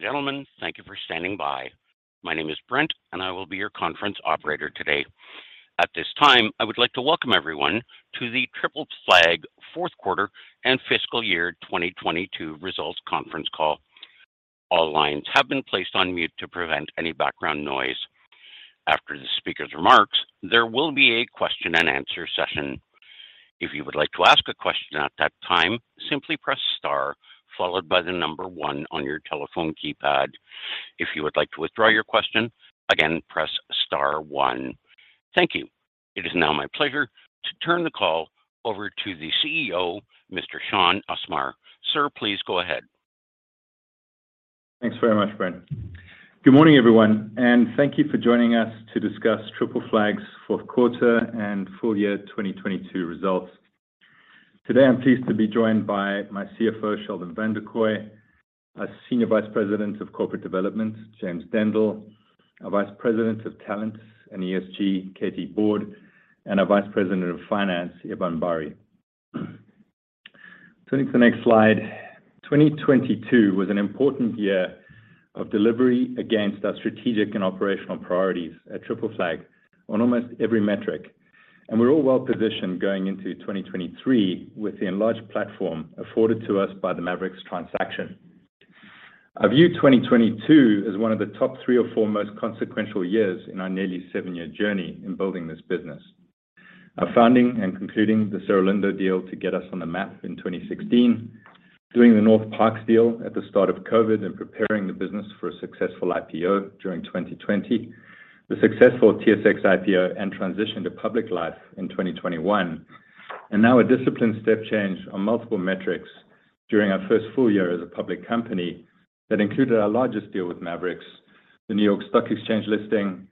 Ladies and gentlemen, thank you for standing by. My name is Brent, and I will be your conference operator today. At this time, I would like to welcome everyone to the Triple Flag fourth quarter and fiscal year 2022 results conference call. All lines have been placed on mute to prevent any background noise. After the speaker's remarks, there will be a question and answer session. If you would like to ask a question at that time, simply press star followed by one on your telephone keypad. If you would like to withdraw your question, again, press star one. Thank you. It is now my pleasure to turn the call over to the CEO, Mr. Shaun Usmar. Sir, please go ahead. Thanks very much, Brent. Good morning, everyone, thank you for joining us to discuss Triple Flag's fourth quarter and full year 2022 results. Today, I'm pleased to be joined by my CFO, Sheldon Vanderkooy, our Senior Vice President of Corporate Development, James Dendle, our Vice President of Talent and ESG, Katy Board, and our Vice President of Finance, Eban Bari. Turning to the next slide, 2022 was an important year of delivery against our strategic and operational priorities at Triple Flag on almost every metric, we're all well-positioned going into 2023 with the enlarged platform afforded to us by the Maverix's transaction. I view 2022 as one of the top three or four most consequential years in our nearly seven-year journey in building this business. Our founding and concluding the Cerro Lindo deal to get us on the map in 2016, doing the Northparkes deal at the start of COVID and preparing the business for a successful IPO during 2020, the successful TSX IPO and transition to public life in 2021, and now a disciplined step change on multiple metrics during our first full year as a public company that included our largest deal with Maverix, the New York Stock Exchange listing,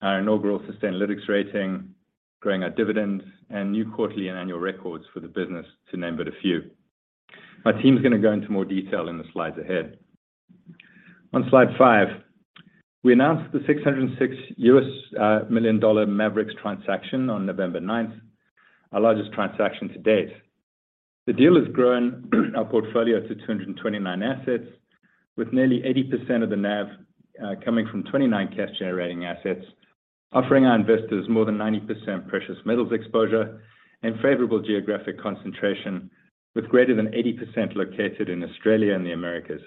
our inaugural Sustainalytics rating, growing our dividends, and new quarterly and annual records for the business to name but a few. My team's gonna go into more detail in the slides ahead. On slide five, we announced the $606 million Maverix transaction on November 9th, our largest transaction to date. The deal has grown our portfolio to 229 assets with nearly 80% of the NAV, coming from 29 cash-generating assets, offering our investors more than 90% precious metals exposure and favorable geographic concentration with greater than 80 located in Australia and the Americas.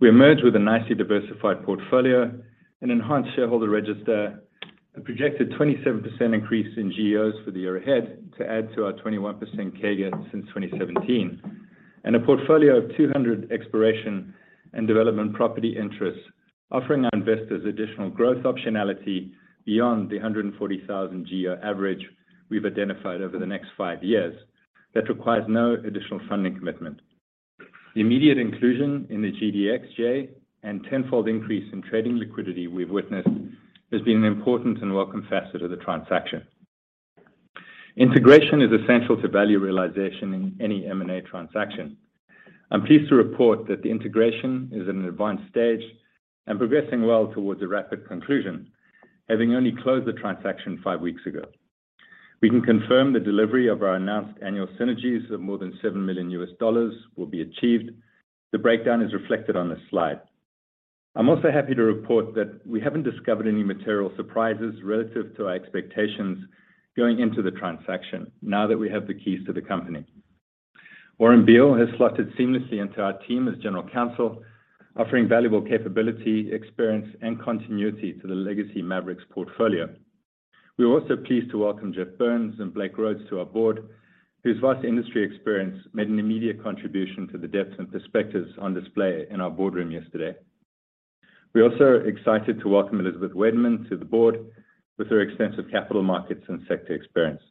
We emerged with a nicely diversified portfolio and enhanced shareholder register, a projected 27% increase in GEOs for the year ahead to add to our 21% CAGR since 2017, and a portfolio of 200 exploration and development property interests, offering our investors additional growth optionality beyond the 140,000 GEO average we've identified over the next five years that requires no additional funding commitment. The immediate inclusion in the GDXJ and tenfold increase in trading liquidity we've witnessed has been an important and welcome facet of the transaction. Integration is essential to value realization in any M&A transaction. I'm pleased to report that the integration is at an advanced stage and progressing well towards a rapid conclusion, having only closed the transaction five weeks ago. We can confirm the delivery of our announced annual synergies of more than $7 million will be achieved. The breakdown is reflected on this slide. I'm also happy to report that we haven't discovered any material surprises relative to our expectations going into the transaction now that we have the keys to the company. Warren Beil has slotted seamlessly into our team as general counsel, offering valuable capability, experience, and continuity to the legacy Maverix portfolio. We are also pleased to welcome Geoff Burns and Blake Rhodes to our board, whose vast industry experience made an immediate contribution to the depth and perspectives on display in our boardroom yesterday. We're also excited to welcome Elizabeth Wademan to the board with her extensive capital markets and sector experience.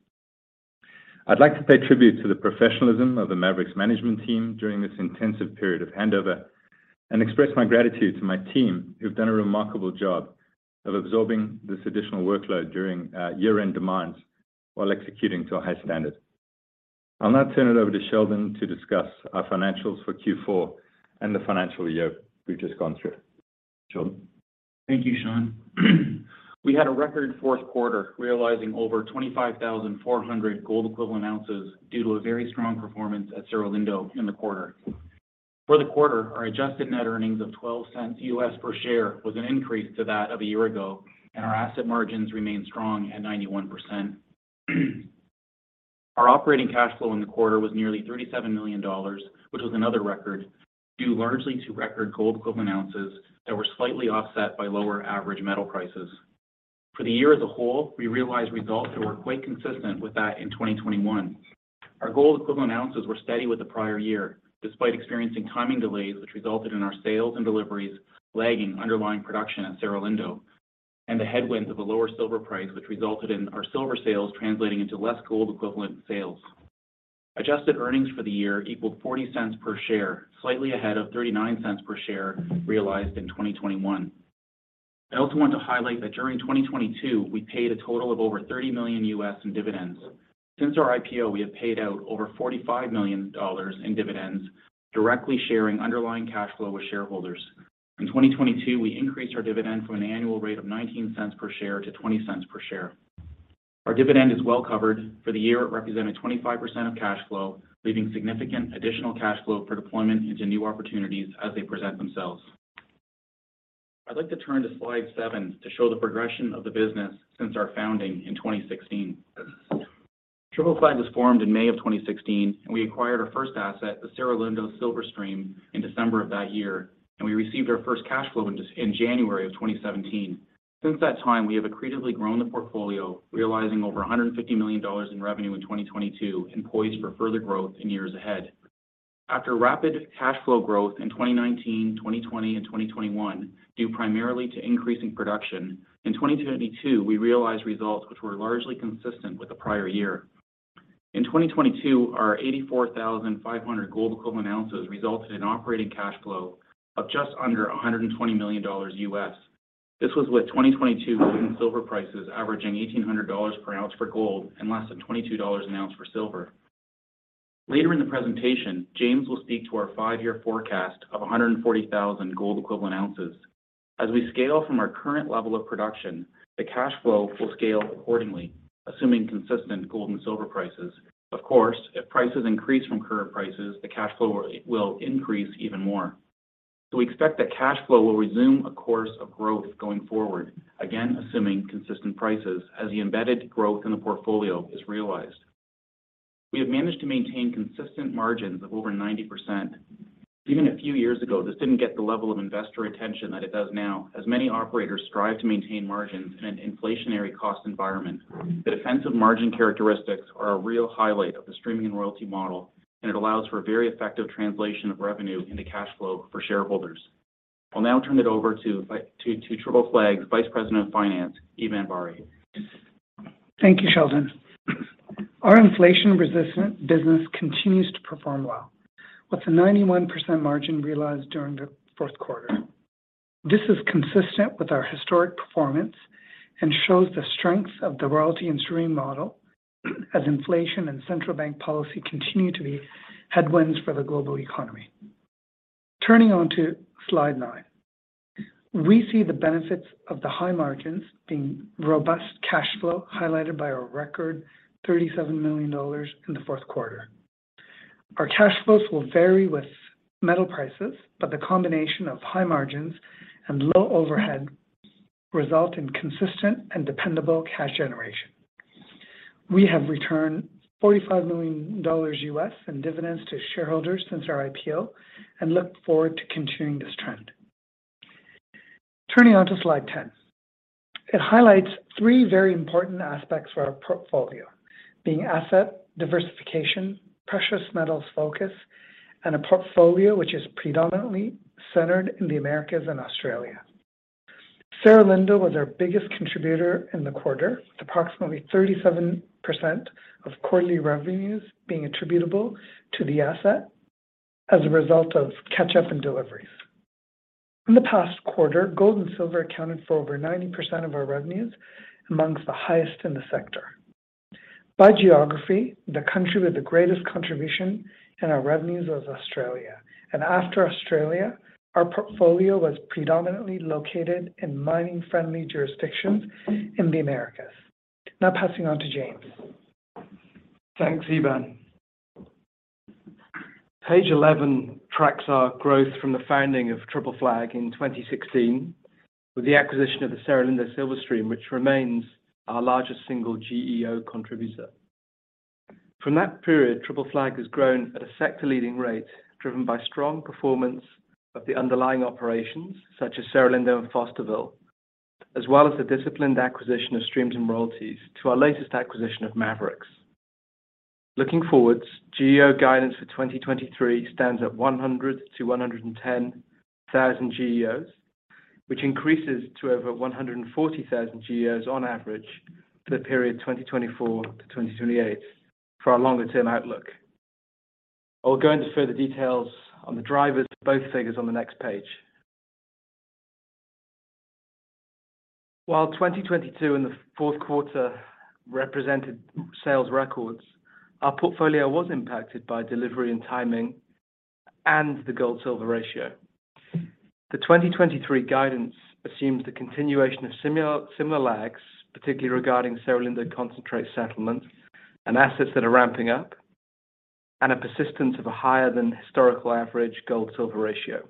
I'd like to pay tribute to the professionalism of the Maverix management team during this intensive period of handover and express my gratitude to my team, who've done a remarkable job of absorbing this additional workload during year-end demands while executing to a high standard. I'll now turn it over to Sheldon to discuss our financials for Q4 and the financial year we've just gone through. Sheldon. Thank you, Shaun. We had a record fourth quarter, realizing over 25,400 gold equivalent ounces due to a very strong performance at Cerro Lindo in the quarter. For the quarter, our adjusted net earnings of $0.12 per share was an increase to that of a year ago, our asset margins remain strong at 91%. Our operating cash flow in the quarter was nearly $37 million, which was another record, due largely to record gold equivalent ounces that were slightly offset by lower average metal prices. For the year as a whole, we realized results that were quite consistent with that in 2021. Our gold equivalent ounces were steady with the prior year despite experiencing timing delays which resulted in our sales and deliveries lagging underlying production at Cerro Lindo and the headwinds of a lower silver price which resulted in our silver sales translating into less gold equivalent sales. Adjusted earnings for the year equaled $0.40 per share, slightly ahead of $0.39 per share realized in 2021. I also want to highlight that during 2022, we paid a total of over $30 million in dividends. Since our IPO, we have paid out over $45 million in dividends, directly sharing underlying cash flow with shareholders. In 2022, we increased our dividend from an annual rate of $0.19 per share to $0.20 per share. Our dividend is well covered. For the year, it represented 25% of cash flow, leaving significant additional cash flow for deployment into new opportunities as they present themselves. I'd like to turn to slide seven to show the progression of the business since our founding in 2016. Triple Flag was formed in May of 2016. We acquired our first asset, the Cerro Lindo silver stream, in December of that year. We received our first cash flow in January of 2017. Since that time, we have accretively grown the portfolio, realizing over $150 million in revenue in 2022 and poised for further growth in years ahead. After rapid cash flow growth in 2019, 2020, and 2021, due primarily to increasing production, in 2022, we realized results which were largely consistent with the prior year. In 2022, our 84,500 gold equivalent ounces resulted in operating cash flow of just under $120 million. This was with 2022 gold and silver prices averaging $1,800 per ounce for gold and less than $22 an ounce for silver. Later in the presentation, James will speak to our five-year forecast of 140,000 gold equivalent ounces. As we scale from our current level of production, the cash flow will scale accordingly, assuming consistent gold and silver prices. Of course, if prices increase from current prices, the cash flow will increase even more. We expect that cash flow will resume a course of growth going forward, again, assuming consistent prices as the embedded growth in the portfolio is realized. We have managed to maintain consistent margins of over 90%. Even a few years ago, this didn't get the level of investor attention that it does now, as many operators strive to maintain margins in an inflationary cost environment. The defensive margin characteristics are a real highlight of the streaming and royalty model, and it allows for a very effective translation of revenue into cash flow for shareholders. I'll now turn it over to Triple Flag's Vice President of Finance, Eban Bari. Thank you, Sheldon. Our inflation-resistant business continues to perform well, with a 91% margin realized during the fourth quarter. This is consistent with our historic performance and shows the strength of the royalty and stream model as inflation and central bank policy continue to be headwinds for the global economy. Turning on to slide nine. We see the benefits of the high margins being robust cash flow, highlighted by our record, $37 million in the fourth quarter. Our cash flows will vary with metal prices, but the combination of high margins and low overhead result in consistent and dependable cash generation. We have returned $45 million U.S. in dividends to shareholders since our IPO and look forward to continuing this trend. Turning on to slide 10. It highlights three very important aspects for our portfolio, being asset diversification, precious metals focus, and a portfolio which is predominantly centered in the Americas and Australia. Cerro Lindo was our biggest contributor in the quarter, with approximately 37% of quarterly revenues being attributable to the asset as a result of catch-up in deliveries. In the past quarter, gold and silver accounted for over 90% of our revenues, amongst the highest in the sector. By geography, the country with the greatest contribution in our revenues was Australia. After Australia, our portfolio was predominantly located in mining-friendly jurisdictions in the Americas. Now, passing on to James. Thanks, Eban. Page 11 tracks our growth from the founding of Triple Flag in 2016 with the acquisition of the Cerro Lindo silver stream, which remains our largest single GEO contributor. That period, Triple Flag has grown at a sector-leading rate, driven by strong performance of the underlying operations such as Cerro Lindo and Fosterville, as well as the disciplined acquisition of streams and royalties to our latest acquisition of Maverix. Looking forwards, GEO guidance for 2023 stands at 100,000-110,000 GEOs, which increases to over 140,000 GEOs on average for the period 2024-2028 for our longer-term outlook. I'll go into further details on the drivers of both figures on the next page. While 2022 and the fourth quarter represented sales records, our portfolio was impacted by delivery and timing and the gold-silver ratio. The 2023 guidance assumes the continuation of similar lags, particularly regarding Cerro Lindo concentrate settlements and assets that are ramping up, and a persistence of a higher than historical average gold-silver ratio.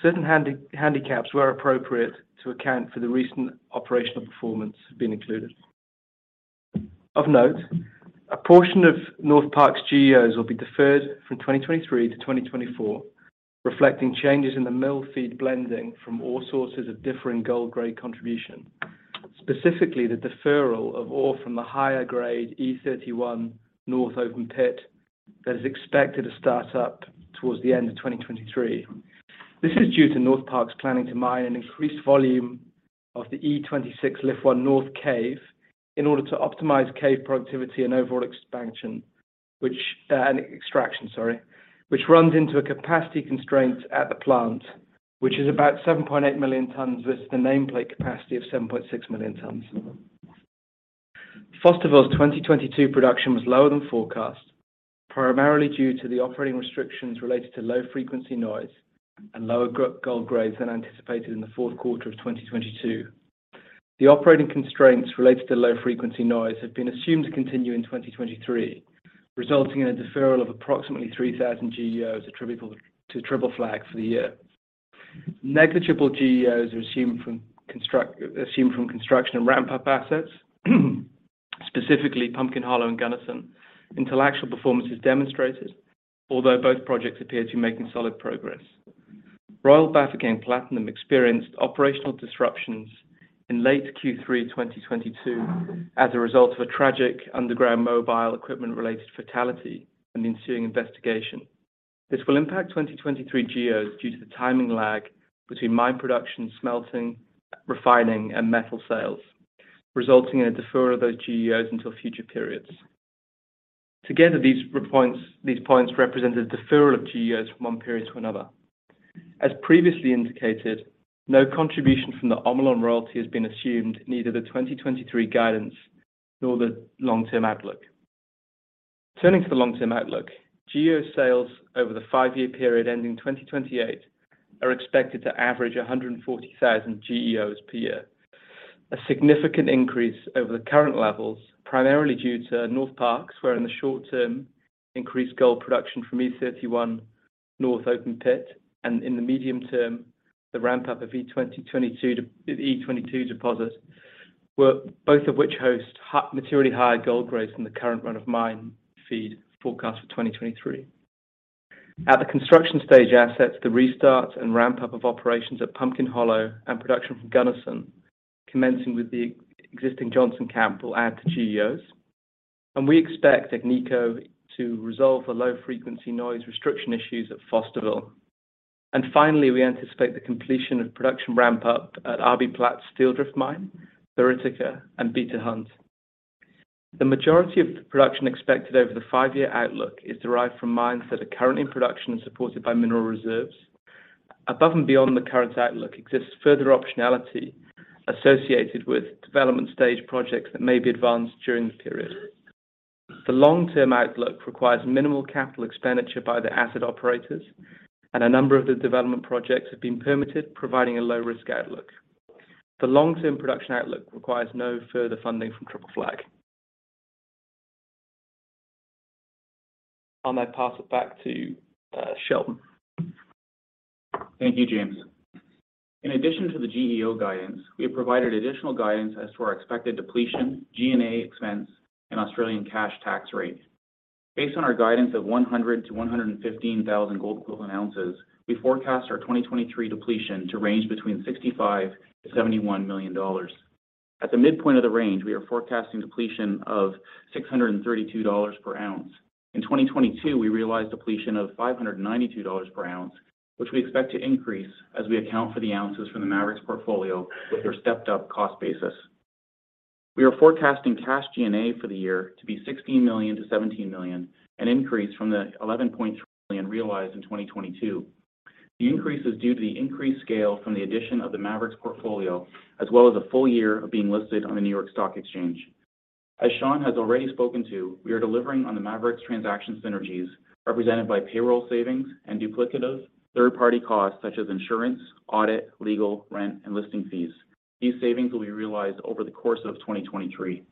Certain handicaps were appropriate to account for the recent operational performance being included. Of note, a portion of Northparkes' GEOs will be deferred from 2023 to 2024, reflecting changes in the mill feed blending from ore sources of differing gold grade contribution, specifically the deferral of ore from the higher grade E31 North open pit that is expected to start up towards the end of 2023. This is due to Northparkes' planning to mine an increased volume of the E26K Lift 1 North cave in order to optimize cave productivity and overall expansion and extraction, sorry, which runs into a capacity constraint at the plant, which is about 7.8 million tons versus the nameplate capacity of 7.6 million tons. Fosterville's 2022 production was lower than forecast. Primarily due to the operating restrictions related to low-frequency noise and lower gold grades than anticipated in the fourth quarter of 2022. The operating constraints related to low-frequency noise have been assumed to continue in 2023, resulting in a deferral of approximately 3,000 GEOs attributable to Triple Flag for the year. Negligible GEOs are assumed from construction and ramp-up assets, specifically Pumpkin Hollow and Gunnison. Intellectual performance is demonstrated, although both projects appear to be making solid progress. Royal Bafokeng Platinum experienced operational disruptions in late Q3 2022 as a result of a tragic underground mobile equipment-related fatality and ensuing investigation. This will impact 2023 GEOs due to the timing lag between mine production smelting, refining, and metal sales, resulting in a deferral of those GEOs until future periods. Together, these points represent a deferral of GEOs from one period to another. As previously indicated, no contribution from the Omolon royalty has been assumed, neither the 2023 guidance nor the long-term outlook. Turning to the long-term outlook, GEO sales over the five-year period ending 2028 are expected to average 140,000 GEOs per year, a significant increase over the current levels, primarily due to Northparkes, where in the short term, increased gold production from E31 North Open Pit and in the medium term, the ramp-up of E22 deposit, where both of which host materially higher gold grades than the current run of mine feed forecast for 2023. At the construction stage assets, the restart and ramp-up of operations at Pumpkin Hollow and production from Gunnison, commencing with the existing Johnson Camp, will add to GEOs. We expect Agnico to resolve the low-frequency noise restriction issues at Fosterville. Finally, we anticipate the completion of production ramp-up at RBPlat's Styldrift Mine, Thoritika, and Beta Hunt. The majority of the production expected over the five-year outlook is derived from mines that are currently in production and supported by mineral reserves. Above and beyond the current outlook exists further optionality associated with development stage projects that may be advanced during the period. The long-term outlook requires minimal capital expenditure by the asset operators, and a number of the development projects have been permitted, providing a low-risk outlook. The long-term production outlook requires no further funding from Triple Flag. I'll now pass it back to, Sheldon. Thank you, James. In addition to the GEO guidance, we have provided additional guidance as to our expected depletion, G&A expense, and Australian cash tax rate. Based on our guidance of 100,000-115,000 gold equivalent ounces, we forecast our 2023 depletion to range between $65 million-$71 million. At the midpoint of the range, we are forecasting depletion of $632 per ounce. In 2022, we realized depletion of $592 per ounce, which we expect to increase as we account for the ounces from the Maverix's portfolio with their stepped up cost basis. We are forecasting cash G&A for the year to be $16 million-$17 million, an increase from the $11.3 million realized in 2022. The increase is due to the increased scale from the addition of the Maverix portfolio, as well as a full year of being listed on the New York Stock Exchange. As Shaun has already spoken to, we are delivering on the Maverix transaction synergies represented by payroll savings and duplicative third-party costs such as insurance, audit, legal, rent, and listing fees. These savings will be realized over the course of 2023.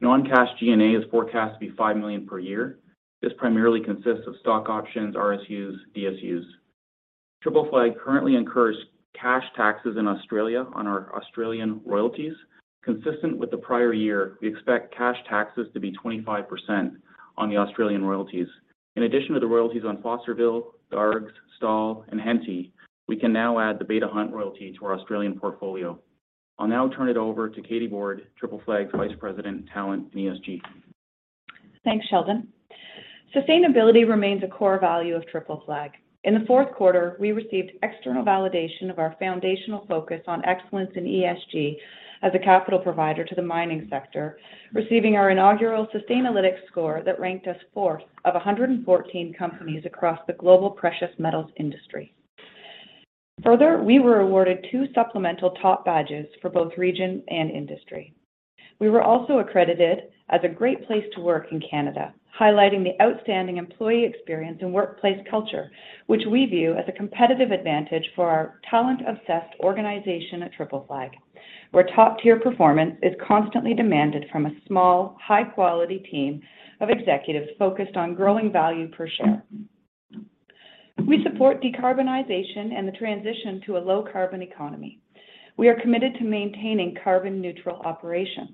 Non-cash G&A is forecast to be $5 million per year. This primarily consists of stock options, RSUs, DSUs. Triple Flag currently incurs cash taxes in Australia on our Australian royalties. Consistent with the prior year, we expect cash taxes to be 25% on the Australian royalties. In addition to the royalties on Fosterville, Dargues, Stawell, and Henty, we can now add the Beta Hunt royalty to our Australian portfolio. I'll now turn it over to Katy Board, Triple Flag's Vice President, Talent, and ESG. Thanks, Sheldon. Sustainability remains a core value of Triple Flag. In the 4th quarter, we received external validation of our foundational focus on excellence in ESG as a capital provider to the mining sector, receiving our inaugural Sustainalytics score that ranked us 4th of 114 companies across the global precious metals industry. We were awarded two supplemental top badges for both region and industry. We were also accredited as a great place to work in Canada, highlighting the outstanding employee experience and workplace culture, which we view as a competitive advantage for our talent-obsessed organization at Triple Flag, where top-tier performance is constantly demanded from a small, high-quality team of executives focused on growing value per share. We support decarbonization and the transition to a low carbon economy. We are committed to maintaining carbon neutral operations.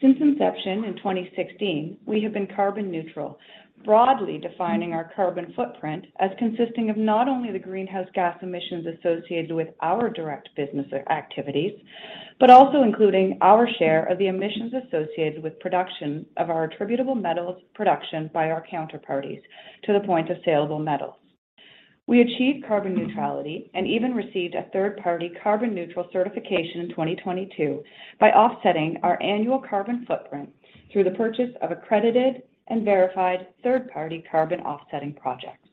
Since inception in 2016, we have been carbon neutral, broadly defining our carbon footprint as consisting of not only the greenhouse gas emissions associated with our direct business activities, but also including our share of the emissions associated with production of our attributable metals production by our counterparties to the point of saleable metals. We achieved carbon neutrality and even received a third-party carbon neutral certification in 2022 by offsetting our annual carbon footprint through the purchase of accredited and verified third-party carbon offsetting projects.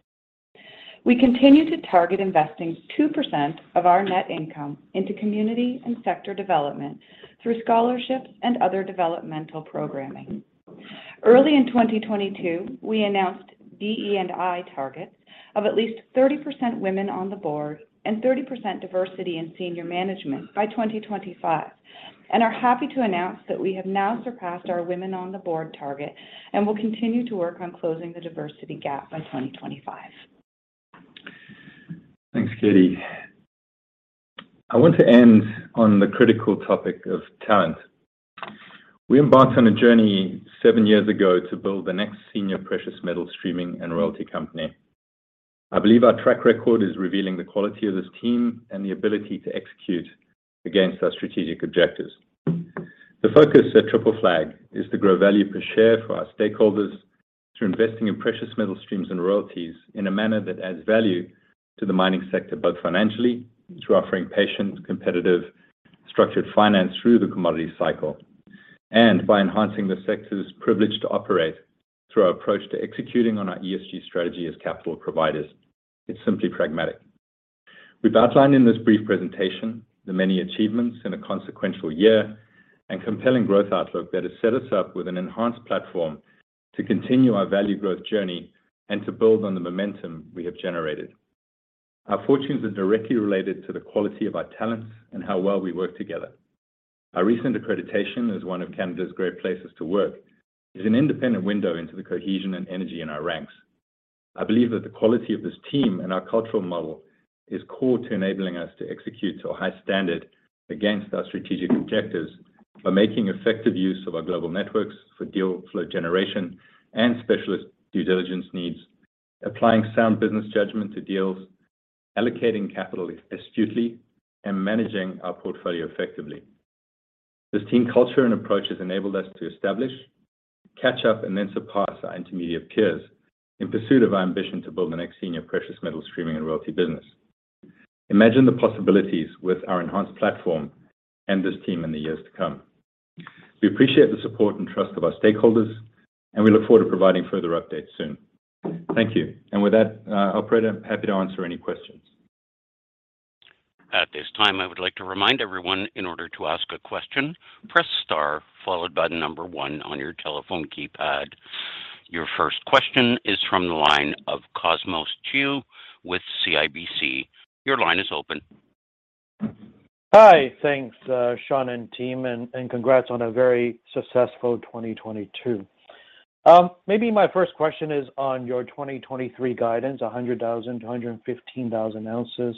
We continue to target investing 2% of our net income into community and sector development through scholarships and other developmental programming. Early in 2022, we announced DE&I targets of at least 30% women on the board and 30% diversity in senior management by 2025 and are happy to announce that we have now surpassed our women on the board target and will continue to work on closing the diversity gap by 2025. Thanks, Katy. I want to end on the critical topic of talent. We embarked on a journey seven years ago to build the next senior precious metal streaming and royalty company. I believe our track record is revealing the quality of this team and the ability to execute against our strategic objectives. The focus at Triple Flag is to grow value per share for our stakeholders through investing in precious metal streams and royalties in a manner that adds value to the mining sector, both financially through offering patient, competitive, structured finance through the commodity cycle and by enhancing the sector's privilege to operate through our approach to executing on our ESG strategy as capital providers. It's simply pragmatic. We've outlined in this brief presentation the many achievements in a consequential year and compelling growth outlook that has set us up with an enhanced platform to continue our value growth journey and to build on the momentum we have generated. Our fortunes are directly related to the quality of our talents and how well we work together. Our recent accreditation as one of Canada's great places to work is an independent window into the cohesion and energy in our ranks. I believe that the quality of this team and our cultural model is core to enabling us to execute to a high standard against our strategic objectives by making effective use of our global networks for deal flow generation and specialist due diligence needs, applying sound business judgment to deals, allocating capital astutely, and managing our portfolio effectively. This team culture and approach has enabled us to establish, catch up, and then surpass our intermediate peers in pursuit of our ambition to build the next senior precious metal streaming and royalty business. Imagine the possibilities with our enhanced platform and this team in the years to come. We appreciate the support and trust of our stakeholders, and we look forward to providing further updates soon. Thank you. With that, I'll be happy to answer any questions. At this time, I would like to remind everyone, in order to ask a question, press star followed by one on your telephone keypad. Your first question is from the line of Cosmos Chiu with CIBC. Your line is open. Hi. Thanks, Shaun and team, and congrats on a very successful 2022. Maybe my first question is on your 2023 guidance, 100,000-115,000 ounces.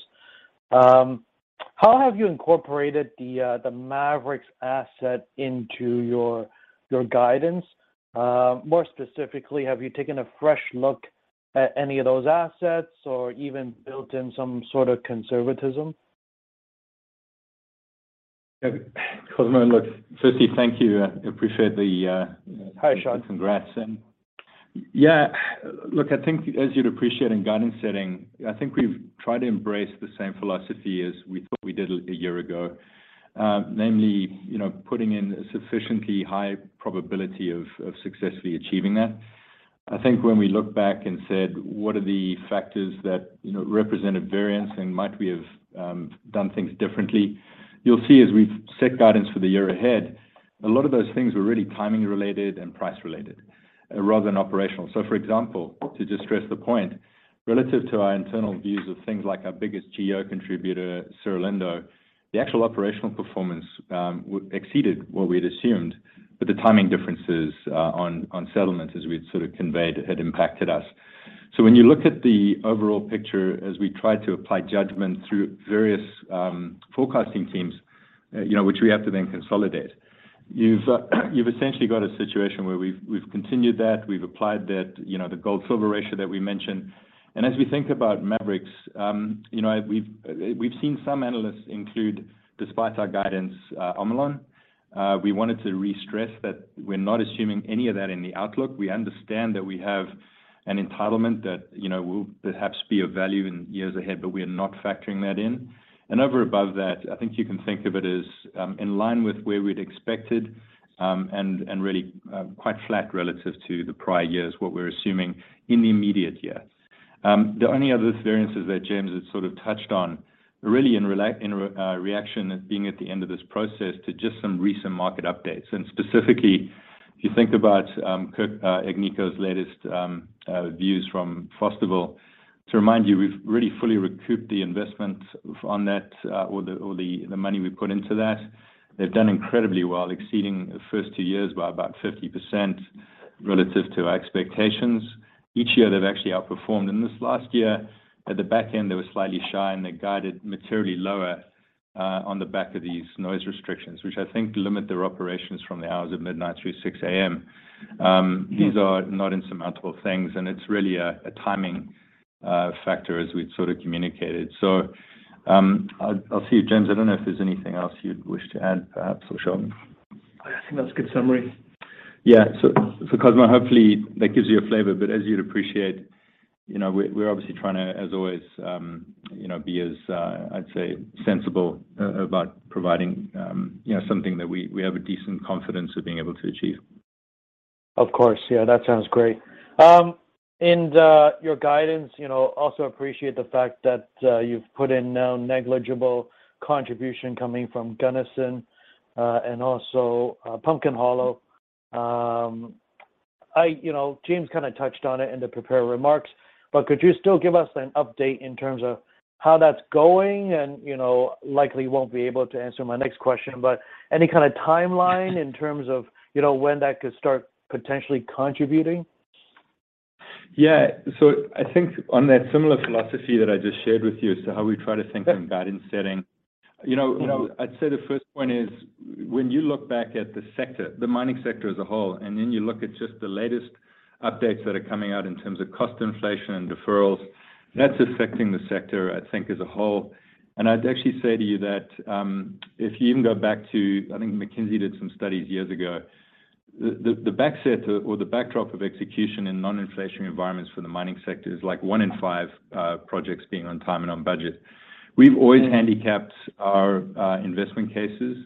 How have you incorporated the Maverix's asset into your guidance? More specifically, have you taken a fresh look at any of those assets or even built in some sort of conservatism? Cosmo, look, firstly, thank you. I appreciate the. Hi, Shaun. Congrats. Yeah, look, I think as you'd appreciate in guidance setting, I think we've tried to embrace the same philosophy as we thought we did a year ago. namely, you know, putting in a sufficiently high probability of successfully achieving that. I think when we looked back and said, what are the factors that, you know, represented variance and might we have done things differently? You'll see as we've set guidance for the year ahead, a lot of those things were really timing related and price related rather than operational. For example, to just stress the point, relative to our internal views of things like our biggest GEO contributor, Cerro Lindo, the actual operational performance exceeded what we had assumed, but the timing differences on settlements, as we had sort of conveyed, had impacted us. When you look at the overall picture as we tried to apply judgment through various forecasting teams, you know, which we have to then consolidate, you've essentially got a situation where we've continued that, we've applied that, you know, the gold-silver ratio that we mentioned. As we think about Maverix, you know, we've seen some analysts include, despite our guidance, Omolon. We wanted to re-stress that we're not assuming any of that in the outlook. We understand that we have an entitlement that, you know, will perhaps be of value in years ahead, but we are not factoring that in. Over above that, I think you can think of it as in line with where we'd expected, and really quite flat relative to the prior years, what we're assuming in the immediate years. The only other variances that James has sort of touched on really in reaction as being at the end of this process to just some recent market updates. Specifically, if you think about Kirk, Agnico's latest views from Fosterville, to remind you, we've really fully recouped the investment on that or the money we put into that. They've done incredibly well, exceeding the first two years by about 50% relative to our expectations. Each year, they've actually outperformed. This last year, at the back end, they were slightly shy, and they guided materially lower on the back of these noise restrictions, which I think limit their operations from the hours of midnight through 6:00 A.M. These are not insurmountable things, and it's really a timing factor as we've sort of communicated. I'll see you, James. I don't know if there's anything else you'd wish to add perhaps, or Shaun. I think that's a good summary. Yeah. Cosmo, hopefully that gives you a flavor. As you'd appreciate, you know, we're obviously trying to, as always, you know, be as, I'd say sensible about providing, you know, something that we have a decent confidence of being able to achieve. Of course. Yeah, that sounds great. Your guidance, you know, also appreciate the fact that you've put in now negligible contribution coming from Gunnison and also Pumpkin Hollow. You know, James kinda touched on it in the prepared remarks, but could you still give us an update in terms of how that's going and, you know, likely won't be able to answer my next question, but any kinda timeline in terms of, you know, when that could start potentially contributing? Yeah. I think on that similar philosophy that I just shared with you as to how we try to think of guidance setting, you know, I'd say the first point is when you look back at the sector, the mining sector as a whole, and then you look at just the latest updates that are coming out in terms of cost inflation and deferrals, that's affecting the sector, I think, as a whole. I'd actually say to you that, if you even go back to... I think McKinsey did some studies years ago. The backset or the backdrop of execution in non-inflationary environments for the mining sector is like one in five projects being on time and on budget. We've always handicapped our investment cases,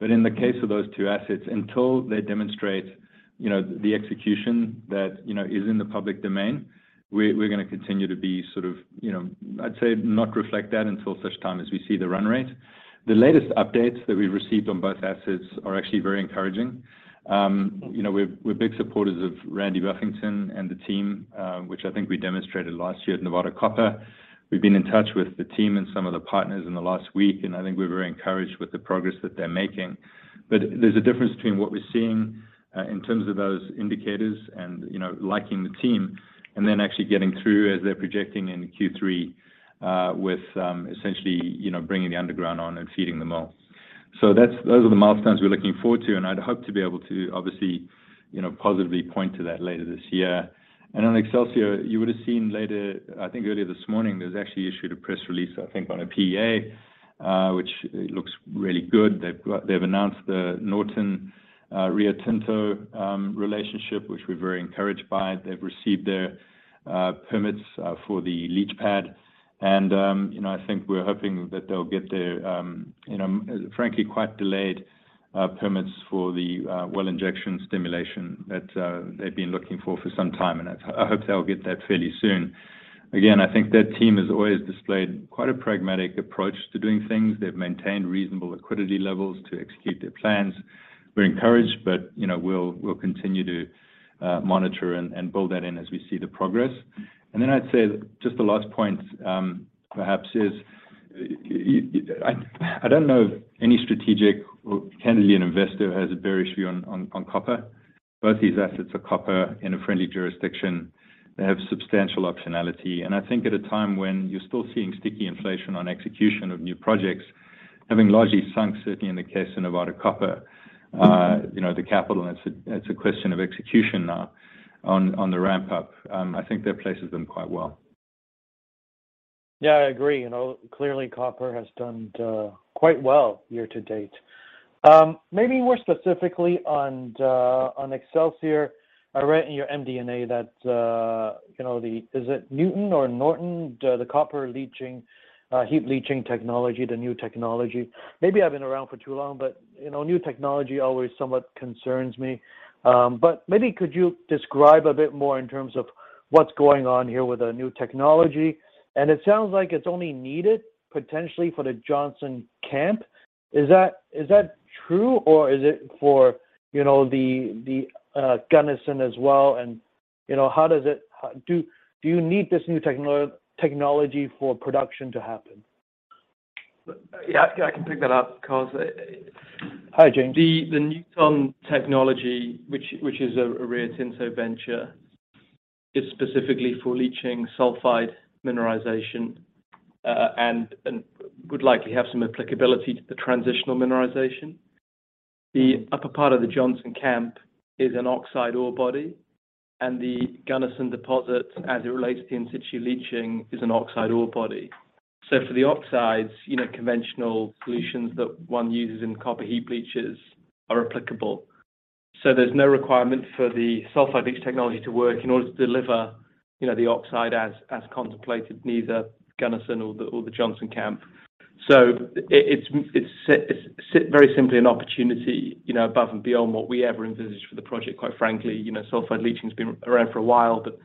but in the case of those two assets, until they demonstrate, you know, the execution that, you know, is in the public domain, we're gonna continue to be sort of, you know, I'd say not reflect that until such time as we see the run rate. The latest updates that we received on both assets are actually very encouraging. You know, we're big supporters of Randy Buffington and the team, which I think we demonstrated last year at Nevada Copper. We've been in touch with the team and some of the partners in the last week, and I think we're very encouraged with the progress that they're making. There's a difference between what we're seeing in terms of those indicators and, you know, liking the team and then actually getting through as they're projecting in Q3 with, essentially, you know, bringing the underground on and feeding the mill. Those are the milestones we're looking forward to, and I'd hope to be able to obviously, you know, positively point to that later this year. On Excelsior, you would have seen later, I think earlier this morning, there's actually issued a press release, I think, on a PEA, which looks really good. They've announced the Nuton, Rio Tinto relationship, which we're very encouraged by. They've received their permits for the leach pad and, you know, I think we're hoping that they'll get their, you know, frankly quite delayed permits for the well injection stimulation that they've been looking for for some time, and I hope they'll get that fairly soon. Again, I think that team has always displayed quite a pragmatic approach to doing things. They've maintained reasonable liquidity levels to execute their plans. We're encouraged, you know, we'll continue to monitor and build that in as we see the progress. I'd say just the last point, perhaps is, I don't know if any strategic or candidly an investor has a bearish view on copper. Both these assets are copper in a friendly jurisdiction. They have substantial optionality. I think at a time when you're still seeing sticky inflation on execution of new projects, having largely sunk, certainly in the case of Nevada Copper, you know, the capital, and it's a question of execution now on the ramp-up, I think that places them quite well. Yeah, I agree. You know, clearly copper has done quite well year to date. Maybe more specifically on Excelsior, I read in your MD&A that, you know, the... Is it Nuton or Nuton, the copper leaching, heap leaching technology, the new technology? Maybe I've been around for too long, but, you know, new technology always somewhat concerns me. Could you describe a bit more in terms of what's going on here with the new technology? It sounds like it's only needed potentially for the Johnson Camp. Is that, is that true, or is it for, you know, the Gunnison as well, and, you know, how does it... Do you need this new technology for production to happen? I can pick that up, Cosmos. Hi, James. The Nuton technology, which is a Rio Tinto venture, is specifically for leaching sulfide mineralization, and would likely have some applicability to the transitional mineralization. The upper part of the Johnson Camp is an oxide ore body, and the Gunnison deposit, as it relates to the in situ leaching, is an oxide ore body. For the oxides, you know, conventional solutions that one uses in copper heap leaches are applicable. There's no requirement for the sulfide leach technology to work in order to deliver, you know, the oxide as contemplated, neither Gunnison or the Johnson Camp. It's very simply an opportunity, you know, above and beyond what we ever envisaged for the project, quite frankly. You know, sulfide leaching's been around for a while, but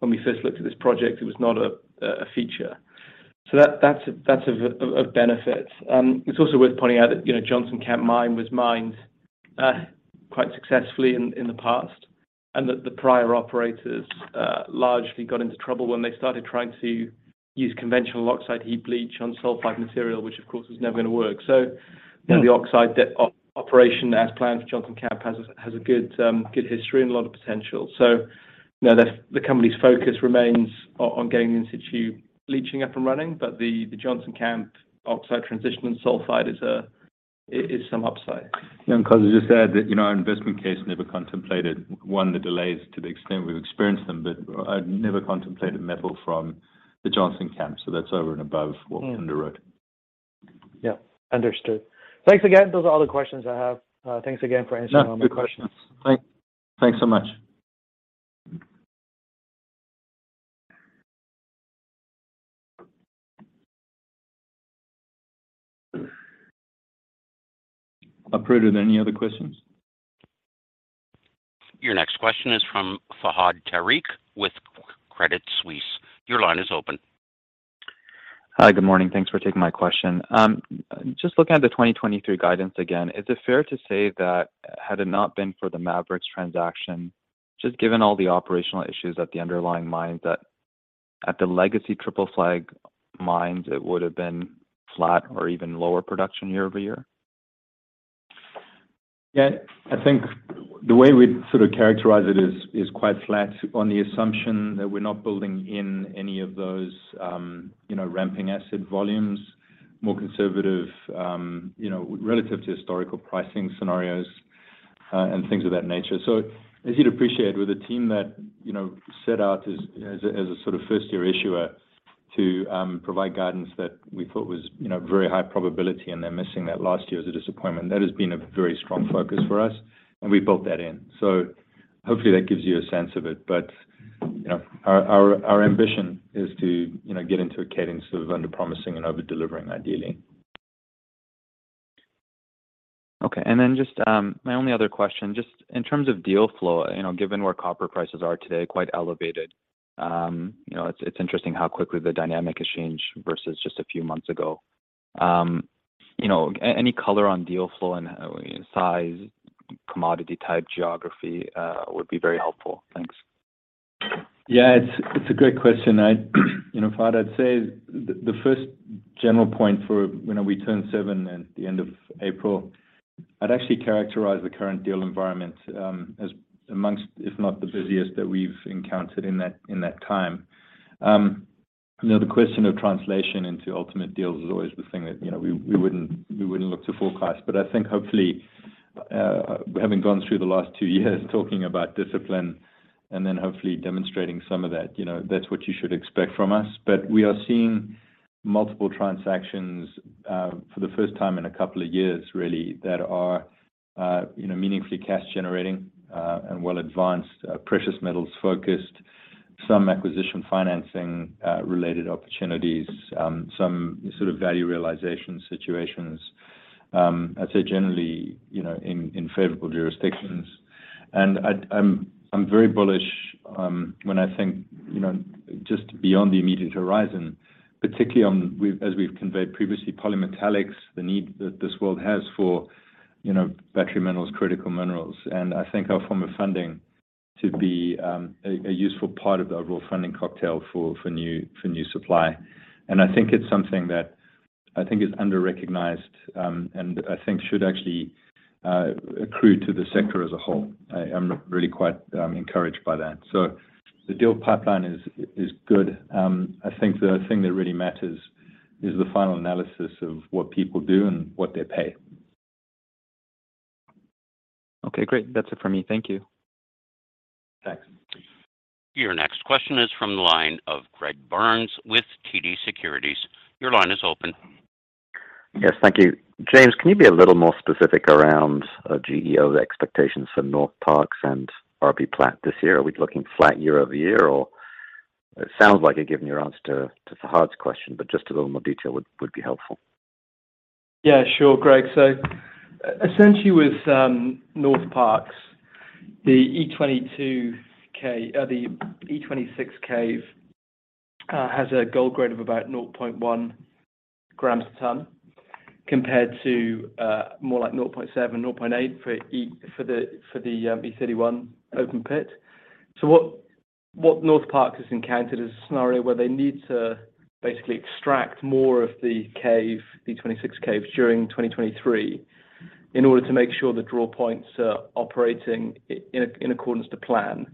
when we first looked at this project, it was not a feature. That's a benefit. It's also worth pointing out that, you know, Johnson Camp Mine was mined quite successfully in the past, and that the prior operators largely got into trouble when they started trying to use conventional oxide heap leach on sulfide material, which of course is never gonna work. Yeah you know, the oxide operation as planned for Johnson Camp has a good history and a lot of potential. You know, the company's focus remains on getting the in situ leaching up and running, but the Johnson Camp oxide transition and sulfide is some upside. Yeah. Kos just said that, you know, our investment case never contemplated, one, the delays to the extent we've experienced them, but I'd never contemplated metal from the Johnson Camp, so that's over and above what we underwrote. Yeah. Understood. Thanks again. Those are all the questions I have. Thanks again for answering all my questions. No. Good questions. Thanks so much. Prudith, any other questions? Your next question is from Fahad Tariq with Credit Suisse. Your line is open. Hi. Good morning. Thanks for taking my question. Just looking at the 2023 guidance again, is it fair to say that had it not been for the Maverix transaction, just given all the operational issues at the underlying mine, that at the legacy Triple Flag mines, it would have been flat or even lower production year-over-year? I think the way we'd sort of characterize it is quite flat on the assumption that we're not building in any of those, you know, ramping asset volumes, more conservative, you know, relative to historical pricing scenarios, and things of that nature. As you'd appreciate with a team that, you know, set out as a, as a sort of first year issuer to provide guidance that we thought was, you know, very high probability, and they're missing that last year as a disappointment. That has been a very strong focus for us, and we built that in. Hopefully that gives you a sense of it. You know, our, our ambition is to, you know, get into a cadence of under promising and over delivering, ideally. Okay. Then just, my only other question, just in terms of deal flow, you know, given where copper prices are today, quite elevated, you know, it's interesting how quickly the dynamic has changed versus just a few months ago. You know, any color on deal flow and size, commodity type geography, would be very helpful. Thanks. Yeah, it's a great question. I, you know, Fahad, I'd say the first general point for when we turn 7 at the end of April, I'd actually characterize the current deal environment as amongst, if not the busiest that we've encountered in that time. You know, the question of translation into ultimate deals is always the thing that, you know, we wouldn't look to forecast. I think hopefully, having gone through the last two years talking about discipline and then hopefully demonstrating some of that, you know, that's what you should expect from us. We are seeing multiple transactions for the first time in a couple of years, really, that are, you know, meaningfully cash generating, and well advanced, precious metals focused, some acquisition financing related opportunities, some sort of value realization situations, I'd say generally, you know, in favorable jurisdictions. I'm very bullish, when I think, you know, just beyond the immediate horizon, particularly on, as we've conveyed previously, polymetallics, the need that this world has for, you know, battery metals, critical minerals. I think our form of funding to be a useful part of the overall funding cocktail for new, for new supply. I think it's something that I think is under-recognized, and I think should actually accrue to the sector as a whole. I am really quite encouraged by that. The deal pipeline is good. I think the thing that really matters is the final analysis of what people do and what they pay. Okay, great. That's it for me. Thank you. Thanks. Your next question is from the line of Greg Barnes with TD Securities. Your line is open. Yes. Thank you. James, can you be a little more specific around GEO's expectations for Northparkes and RBPlat this year? Are we looking flat year-over-year, or... It sounds like you're giving your answer to Fahad's question, but just a little more detail would be helpful. Yeah, sure, Greg. Essentially with Northparkes, the E22K, the E26K, has a gold grade of about 0.1 grams a ton, compared to more like 0.7, 0.8 for the E31 open pit. What Northparkes has encountered is a scenario where they need to basically extract more of the cave, the '26 caves during 2023 in order to make sure the draw points are operating in accordance to plan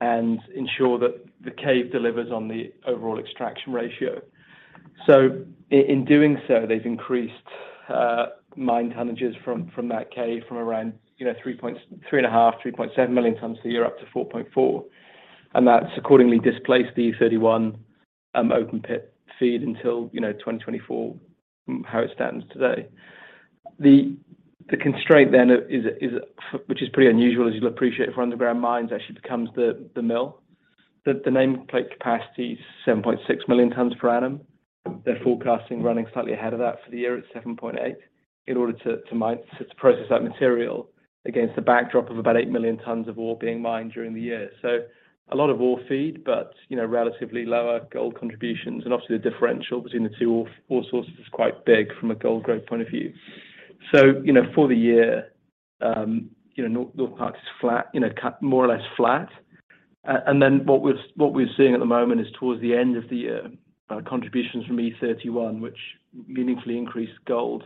and ensure that the cave delivers on the overall extraction ratio. In doing so, they've increased mine tonnages from that cave from around, you know, 3.5, 3.7 million tons a year up to 4.4. That's accordingly displaced the E31, open pit feed until, you know, 2024 from how it stands today. The constraint then is, which is pretty unusual, as you'll appreciate for underground mines, actually becomes the mill. The nameplate capacity is 7.6 million tons per annum. They're forecasting running slightly ahead of that for the year at 7.8 in order to mine, to process that material against the backdrop of about 8 million tons of ore being mined during the year. A lot of ore feed, but you know, relatively lower gold contributions. Obviously the differential between the two ore sources is quite big from a gold growth point of view. For the year, you know, Northparkes is flat, you know, more or less flat. What we're seeing at the moment is towards the end of the year, contributions from E31, which meaningfully increase gold.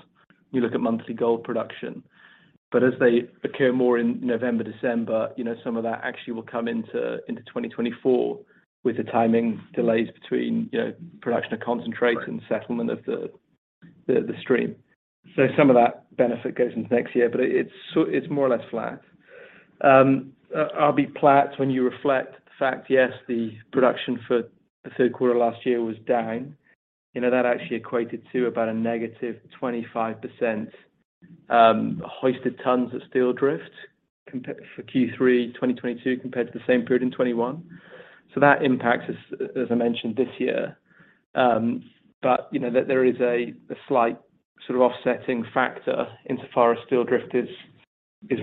You look at monthly gold production. As they occur more in November, December, you know, some of that actually will come into 2024 with the timing delays between, you know, production of concentrate and settlement of the, the stream. Some of that benefit goes into next year, but it's more or less flat. RBPlat, when you reflect the fact, yes, the production for the third quarter last year was down. You know, that actually equated to about a negative 25%, hoisted tons of Styldrift for Q3 2022 compared to the same period in 2021. That impacts, as I mentioned this year. You know, there is a slight sort of offsetting factor insofar as Styldrift is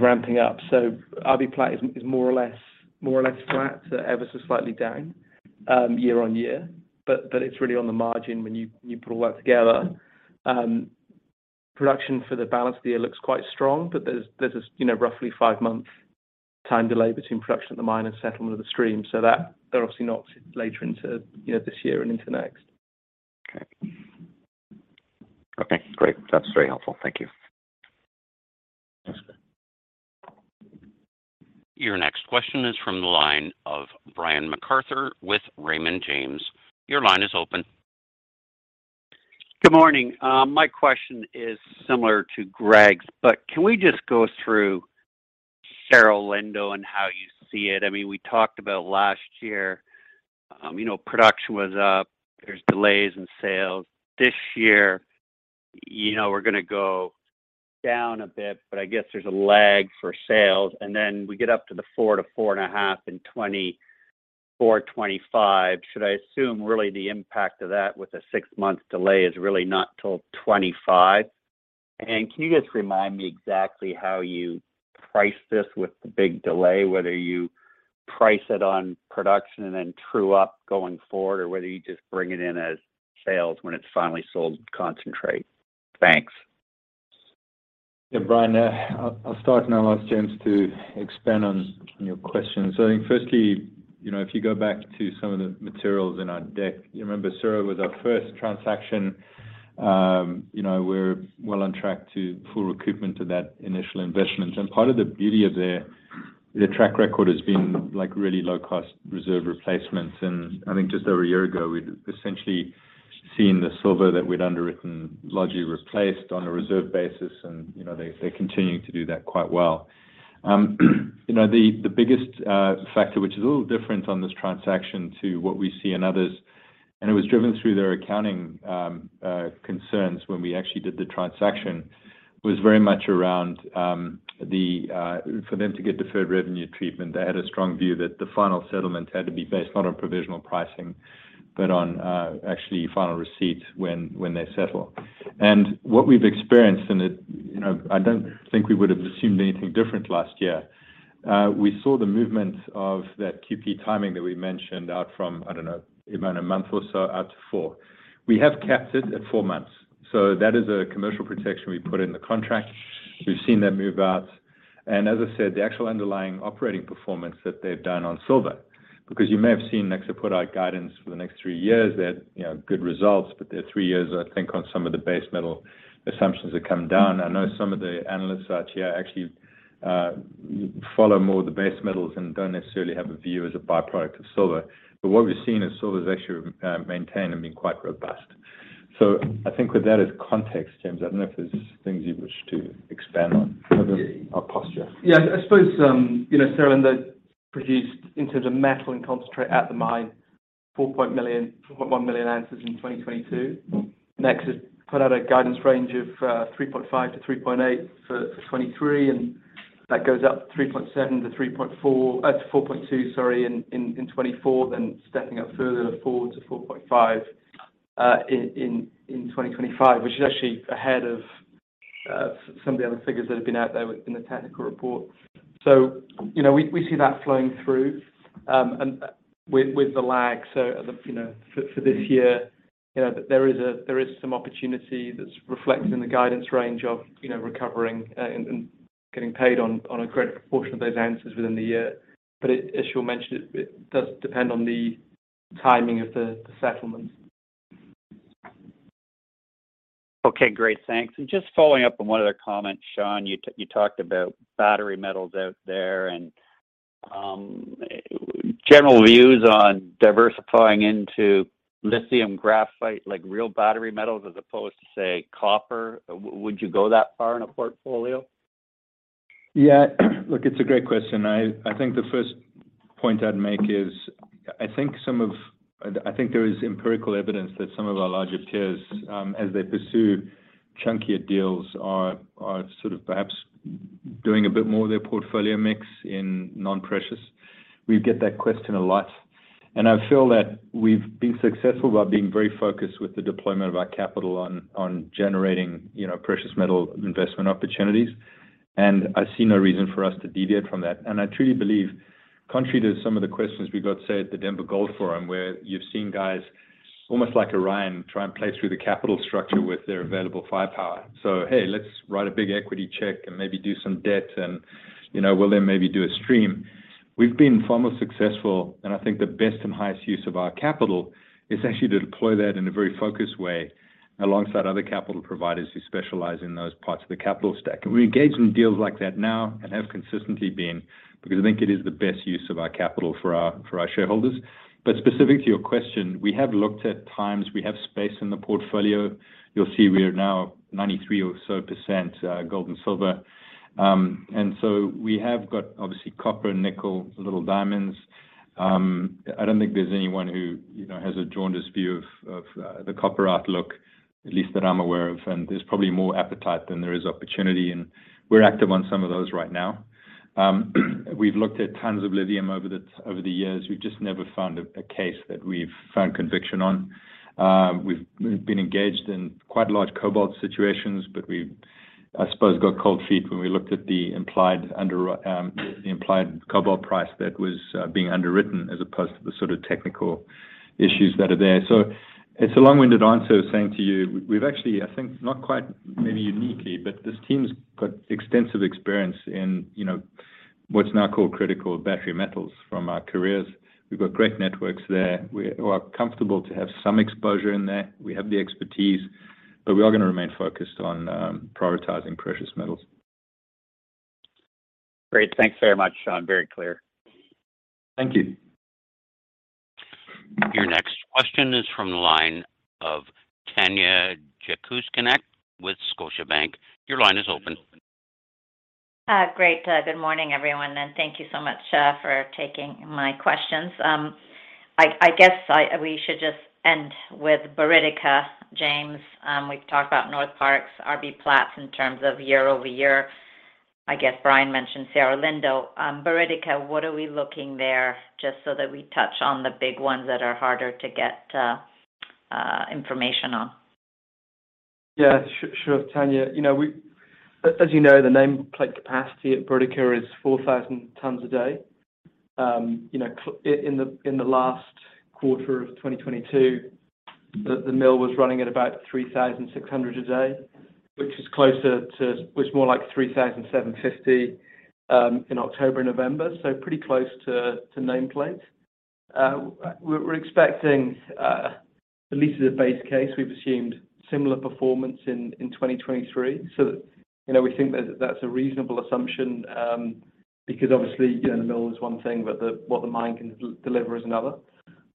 ramping up. RBPlat is more or less flat, ever so slightly down year-on-year. It's really on the margin when you put all that together. Production for the balance of the year looks quite strong, but there's this, you know, roughly five-month time delay between production at the mine and settlement of the stream. That they're obviously not later into, you know, this year and into next. Okay. Okay, great. That's very helpful. Thank you. Thanks. Your next question is from the line of Brian MacArthur with Raymond James. Your line is open. Good morning. My question is similar to Greg's. Can we just go through Cerro Lindo and how you see it? I mean, we talked about last year, you know, production was up. There's delays in sales. This year, you know, we're gonna go down a bit. I guess there's a lag for sales, and then we get up to the four to 4.5 in 2024, 2025. Should I assume really the impact of that with a six-month delay is really not till 2025? Can you just remind me exactly how you price this with the big delay, whether you price it on production and then true up going forward, or whether you just bring it in as sales when it's finally sold concentrate? Thanks. Yeah, Brian, I'll start and then I'll ask James to expand on your question. I think firstly, you know, if you go back to some of the materials in our deck, you remember Cerro was our first transaction. You know, we're well on track to full recoupment of that initial investment. Part of the beauty of their track record has been, like, really low cost reserve replacements. I think just over a year ago, we'd essentially seen the silver that we'd underwritten largely replaced on a reserve basis and, you know, they're continuing to do that quite well. you know, the biggest factor, which is a little different on this transaction to what we see in others, and it was driven through their accounting concerns when we actually did the transaction, was very much around for them to get deferred revenue treatment. They had a strong view that the final settlement had to be based not on provisional pricing, but on actually final receipt when they settle. What we've experienced, and it, you know, I don't think we would have assumed anything different last year, we saw the movement of that QP timing that we mentioned out from, I don't know, about a month or so out to four. We have capped it at four months, so that is a commercial protection we put in the contract. We've seen them move out as I said, the actual underlying operating performance that they've done on silver, because you may have seen Nexa put out guidance for the next three years. They had, you know, good results, their three years I think on some of the base metal assumptions have come down. I know some of the analysts out here actually follow more of the base metals and don't necessarily have a view as a byproduct of silver. What we've seen is silver's actually maintained and been quite robust. I think with that as context, James, I don't know if there's things you wish to expand on our posture. I suppose, you know, Cerro Lindo produced in terms of metal and concentrate at the mine, 4.1 million ounces in 2022. Nexa has put out a guidance range of 3.5-3.8 million ounces for 2023, and that goes up 3.7-3.4, to 4.2 million ounces, sorry, in 2024, then stepping up further forward to 4.5 million ounces in 2025, which is actually ahead of some of the other figures that have been out there within the technical report. You know, we see that flowing through, and with the lag. you know, for this year, you know, there is some opportunity that's reflected in the guidance range of, you know, recovering and getting paid on a great proportion of those answers within the year. As Shaun mentioned, it does depend on the timing of the settlements. Okay, great. Thanks. Just following up on one other comment, Shaun, you talked about battery metals out there and general views on diversifying into lithium graphite, like real battery metals as opposed to, say, copper. Would you go that far in a portfolio? Yeah. Look, it's a great question. I think the first point I'd make is I think there is empirical evidence that some of our larger peers, as they pursue chunkier deals are sort of perhaps doing a bit more of their portfolio mix in non-precious. We get that question a lot, and I feel that we've been successful by being very focused with the deployment of our capital on generating, you know, precious metal investment opportunities. I see no reason for us to deviate from that. I truly believe, contrary to some of the questions we got, say, at the Denver Gold Forum, where you've seen guys almost like Orion try and play through the capital structure with their available firepower. Hey, let's write a big equity check and maybe do some debt, you know, we'll then maybe do a stream. We've been far more successful, and I think the best and highest use of our capital is actually to deploy that in a very focused way alongside other capital providers who specialize in those parts of the capital stack. We engage in deals like that now and have consistently been because I think it is the best use of our capital for our shareholders. Specific to your question, we have looked at times. We have space in the portfolio. You'll see we are now 93 or so % gold and silver. We have got obviously copper, nickel, little diamonds. I don't think there's anyone who, you know, has a jaundiced view of the copper outlook, at least that I'm aware of. And there's probably more appetite than there is opportunity, and we're active on some of those right now. We've looked at tons of lithium over the years. We've just never found a case that we've found conviction on. We've been engaged in quite large cobalt situations, but we, I suppose, got cold feet when we looked at the implied cobalt price that was being underwritten as opposed to the sort of technical issues that are there. So it's a long-winded answer saying to you, we've actually, I think, not quite maybe uniquely, but this team's got extensive experience in, you know, what's now called critical battery metals from our careers. We've got great networks there. We are comfortable to have some exposure in there. We have the expertise, but we are gonna remain focused on prioritizing precious metals. Great. Thanks very much, Shaun. Very clear. Thank you. Your next question is from the line of Tanya Jakusconek with Scotiabank. Your line is open. Great. Good morning, everyone, and thank you so much for taking my questions. I guess we should just end with Dargues. James, we've talked about Northparkes RBPlat in terms of year-over-year. I guess Brian mentioned Cerro Lindo. Dargues, what are we looking there, just so that we touch on the big ones that are harder to get information on? Yeah, sure, Tanya. You know, as you know, the nameplate capacity at Dargues is 4,000 tons a day. You know, in the last quarter of 2022, the mill was running at about 3,600 a day, which is more like 3,750 in October and November, so pretty close to nameplate. We're expecting, at least as a base case, we've assumed similar performance in 2023. You know, we think that that's a reasonable assumption, because obviously, you know, the mill is one thing, but what the mine can deliver is another.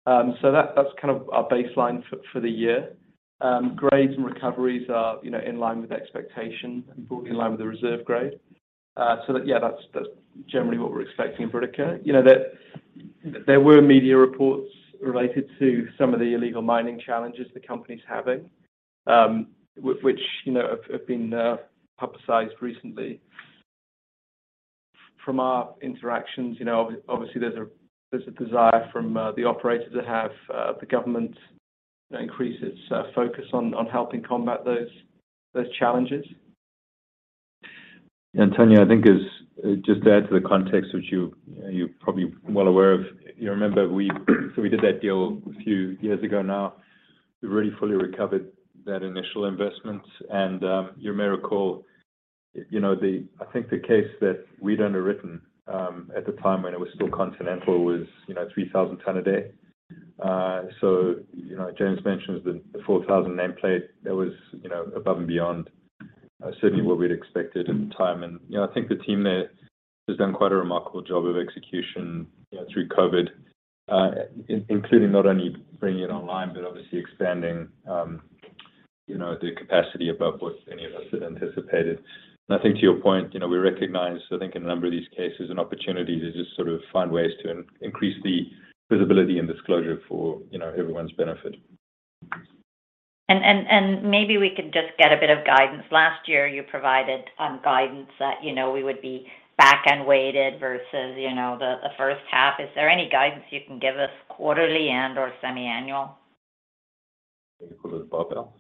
That's kind of our baseline for the year. Grades and recoveries are, you know, in line with expectation and fully in line with the reserve grade. That, yeah, that's generally what we're expecting in Dargues. You know, there were media reports related to some of the illegal mining challenges the company's having, which, you know, have been publicized recently. From our interactions, you know, obviously, there's a desire from the operators that have the government increase its focus on helping combat those challenges. Tanya, I think is, just to add to the context which you're probably well aware of. You remember we did that deal a few years ago now. You may recall, you know, I think the case that we'd underwritten at the time when it was still Continental Gold was, you know, 3,000 ton a day. You know, James mentions the 4,000 nameplates. That was, you know, above and beyond certainly what we'd expected at the time. You know, I think the team there has done quite a remarkable job of execution, you know, through COVID, including not only bringing it online, but obviously expanding, you know, the capacity above what any of us had anticipated. I think to your point, you know, we recognize, I think in a number of these cases, an opportunity to just sort of find ways to increase the visibility and disclosure for, you know, everyone's benefit. Maybe we could just get a bit of guidance. Last year, you provided guidance that, you know, we would be back-end weighted versus, you know, the first half. Is there any guidance you can give us quarterly and/or semi-annual? I think we'll do both now.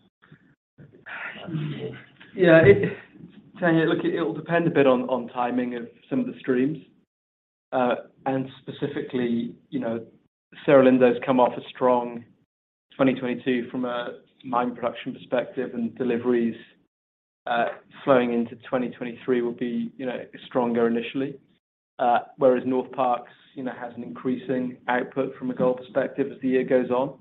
Tanya, look, it will depend a bit on timing of some of the streams. Specifically, you know, Cerro Lindo's come off a strong 2022 from a mine production perspective, and deliveries, flowing into 2023 will be, you know, stronger initially. Northparkes, you know, has an increasing output from a gold perspective as the year goes on.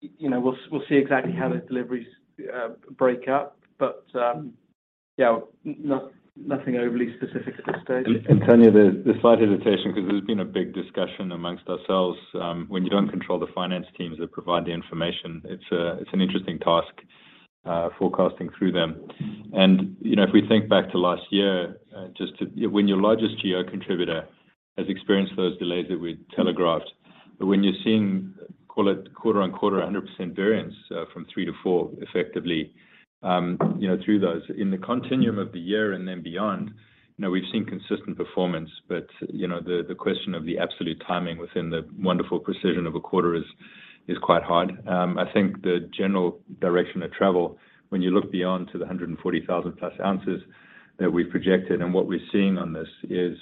You know, we'll see exactly how those deliveries break up. Yeah, nothing overly specific at this stage. Tanya, the slight hesitation, 'cause there's been a big discussion amongst ourselves, when you don't control the finance teams that provide the information, it's an interesting task, forecasting through them. You know, if we think back to last year, just to when your largest GEO contributor has experienced those delays that we telegraphed, but when you're seeing call it quarter-on-quarter 100% variance, from three to four effectively, you know, through those. In the continuum of the year and then beyond, you know, we've seen consistent performance. You know, the question of the absolute timing within the wonderful precision of a quarter is quite hard. I think the general direction of travel when you look beyond to the 140,000+ ounces that we've projected and what we're seeing on this is,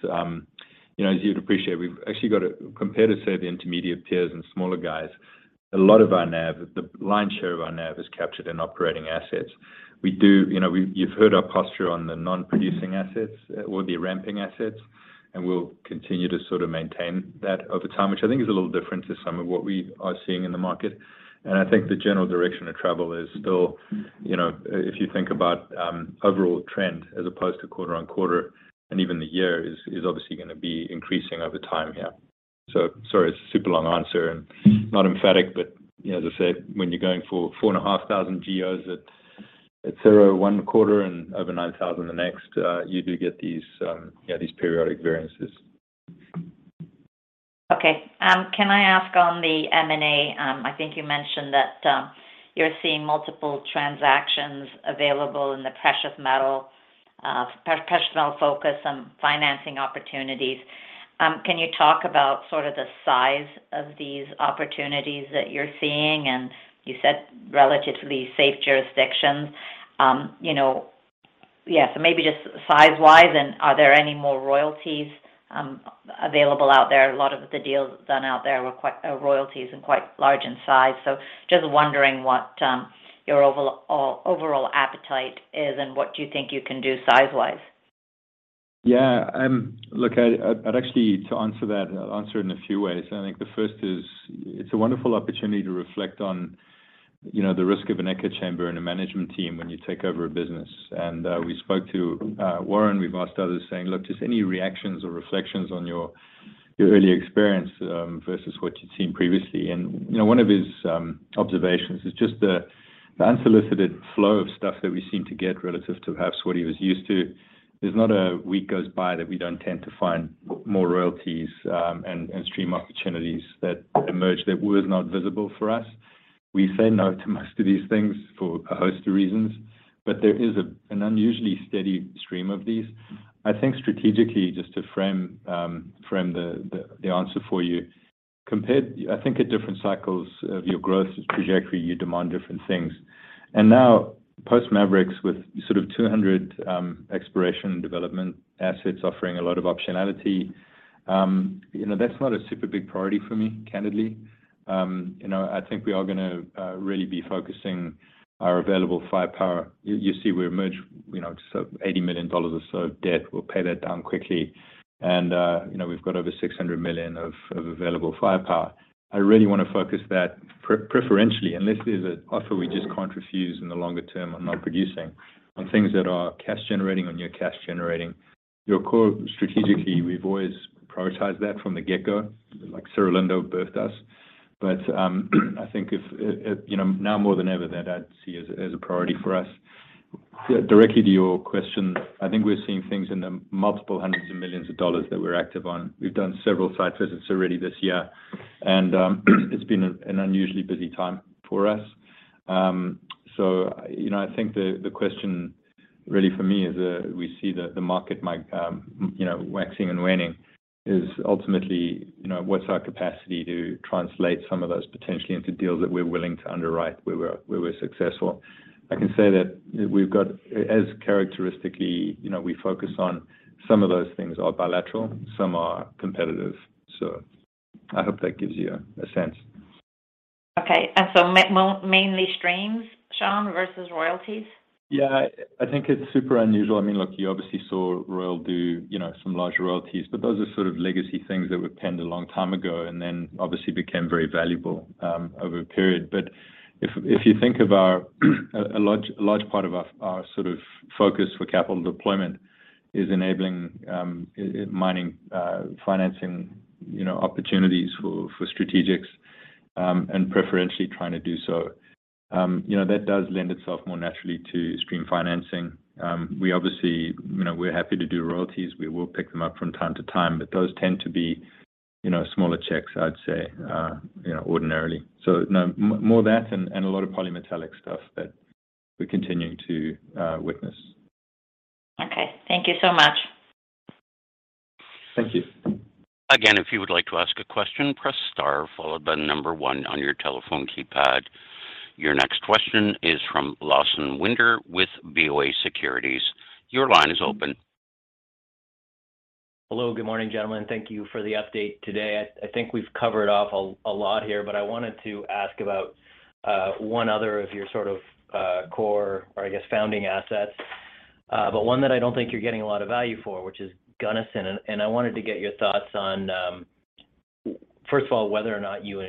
you know, as you'd appreciate, we've actually got a compared to say the intermediate peers and smaller guys, a lot of our NAV, the lion's share of our NAV is captured in operating assets. We do, you know, we've, you've heard our posture on the non-producing assets or the ramping assets, and we'll continue to sort of maintain that over time, which I think is a little different to some of what we are seeing in the market. I think the general direction of travel is still, if you think about, overall trend as opposed to quarter on quarter and even the year is obviously gonna be increasing over time here. Sorry, it's a super long answer and not emphatic, but as I said, when you're going for 4,500 GEOs at zero one quarter and over 9,000 the next, you do get these periodic variances. Okay. Can I ask on the M&A? I think you mentioned that you're seeing multiple transactions available in the precious metal focus on financing opportunities. Can you talk about sort of the size of these opportunities that you're seeing? You said relatively safe jurisdictions, you know. Maybe just size-wise, and are there any more royalties available out there? A lot of the deals done out there were quite royalties and quite large in size. Just wondering what your overall appetite is and what you think you can do size-wise. Look, I'd actually answer it in a few ways. I think the first is it's a wonderful opportunity to reflect on, you know, the risk of an echo chamber and a management team when you take over a business. We spoke to Warren, we've asked others saying, "Look, just any reactions or reflections on your early experience versus what you'd seen previously." You know, one of his observations is just the unsolicited flow of stuff that we seem to get relative to perhaps what he was used to. There's not a week goes by that we don't tend to find more royalties and stream opportunities that emerge that was not visible for us. We say no to most of these things for a host of reasons, but there is an unusually steady stream of these. I think strategically, just to frame the answer for you, I think at different cycles of your growth trajectory, you demand different things. Now post Maverix with sort of 200 exploration and development assets offering a lot of optionality, you know, that's not a super big priority for me, candidly. You know, I think we are gonna really be focusing our available firepower. You see we emerge, you know, just $80 million or so of debt. We'll pay that down quickly. You know, we've got over $600 million of available firepower. I really wanna focus that preferentially, unless there's an offer we just can't refuse in the longer term on non-producing, on things that are cash generating or near cash generating. Your core, strategically, we've always prioritized that from the get-go, like Cerro Lindo birthed us. I think if, you know, now more than ever that I'd see as a, as a priority for us. Directly to your question, I think we're seeing things in the multiple hundreds of millions of dollars that we're active on. We've done several site visits already this year, it's been an unusually busy time for us. You know, I think the question really for me is, we see the market might, you know, waxing and waning is ultimately, you know, what's our capacity to translate some of those potentially into deals that we're willing to underwrite where we're successful. I can say that we've got as characteristically, you know, we focus on some of those things are bilateral, some are competitive. I hope that gives you a sense. Okay. So mainly streams, Shaun, versus royalties? Yeah. I think it's super unusual. I mean, look, you obviously saw Royal do, you know, some large royalties, but those are sort of legacy things that were penned a long time ago and then obviously became very valuable over a period. If you think of our, a large part of our sort of focus for capital deployment is enabling mining financing, you know, opportunities for strategics and preferentially trying to do so. You know, that does lend itself more naturally to stream financing. We obviously, you know, we're happy to do royalties. We will pick them up from time to time, but those tend to be, you know, smaller checks, I'd say, you know, ordinarily. No, more that and a lot of polymetallic stuff that we're continuing to witness. Okay. Thank you so much. Thank you. Again, if you would like to ask a question, press star followed by one on your telephone keypad. Your next question is from Lawson Winder with BofA Securities. Your line is open. Hello. Good morning, gentlemen. Thank you for the update today. I think we've covered off a lot here, but I wanted to ask about one other of your sort of core or I guess founding assets. One that I don't think you're getting a lot of value for, which is Gunnison. I wanted to get your thoughts on first of all, whether or not you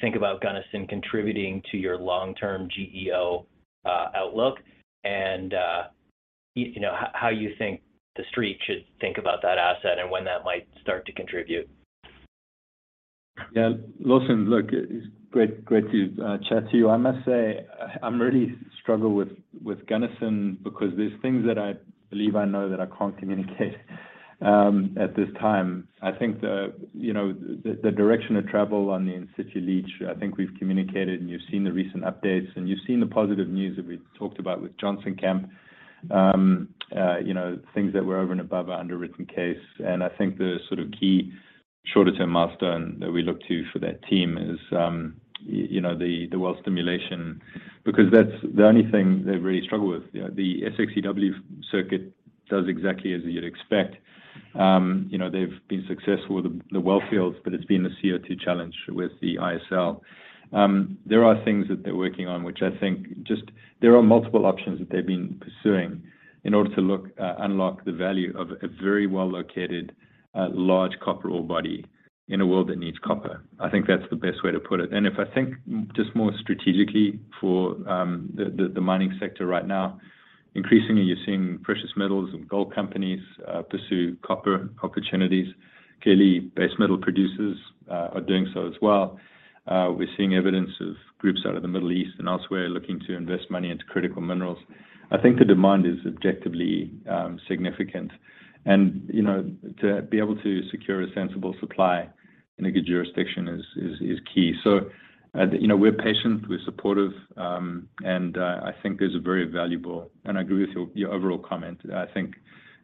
think about Gunnison contributing to your long-term GEO outlook and you know, how you think the street should think about that asset and when that might start to contribute. Yeah. Lawson, look, it's great to chat to you. I must say I'm really struggle with Gunnison because there's things that I believe I know that I can't communicate at this time. I think the, you know, the direction of travel on the in situ leach, I think we've communicated and you've seen the recent updates and you've seen the positive news that we talked about with Johnson Camp. You know, things that were over and above our underwritten case. I think the sort of key shorter term milestone that we look to for that team is, you know, the well stimulation, because that's the only thing they really struggle with. The SXEW circuit does exactly as you'd expect. You know, they've been successful with the well fields, but it's been a CO₂ challenge with the ISL. There are things that they're working on, which I think just there are multiple options that they've been pursuing in order to unlock the value of a very well-located, large copper ore body in a world that needs copper. I think that's the best way to put it. If I think just more strategically for the mining sector right now, increasingly you're seeing precious metals and gold companies pursue copper opportunities. Clearly, base metal producers are doing so as well. We're seeing evidence of groups out of the Middle East and elsewhere looking to invest money into critical minerals. I think the demand is objectively significant. You know, to be able to secure a sensible supply in a good jurisdiction is, is key. you know, we're patient, we're supportive, and I think those are very valuable. I agree with your overall comment. I think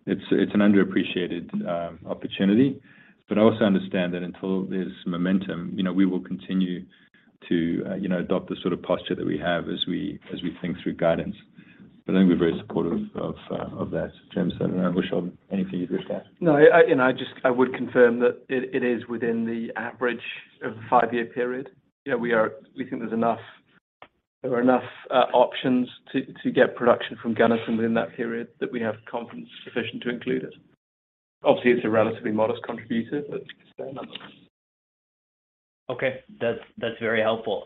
it's an underappreciated opportunity. I also understand that until there's momentum, you know, we will continue to, you know, adopt the sort of posture that we have as we, as we think through guidance. I think we're very supportive of that. James and Bhushan, anything you'd wish to add? No. I, you know, I would confirm that it is within the average of the five-year period. You know, we think there are enough options to get production from Gunnison within that period that we have confidence sufficient to include it. Obviously, it's a relatively modest contributor, but it's there nonetheless. Okay. That's very helpful.